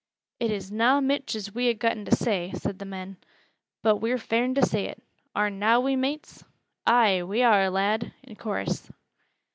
"It is na mich as we ha' getten to say," said the man, "but we're fain to say it. Are na we, mates?" "Ay, we are, lad," in chorus.